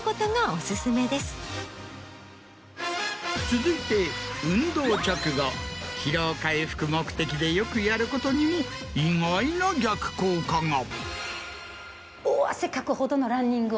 続いて運動直後疲労回復目的でよくやることにも意外な逆効果が。